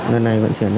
lần này vận chuyển